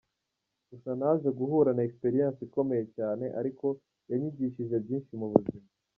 Gusa naje guhura na expérience ikomeye cyane ariko yanyigishije byinshi mu buzima.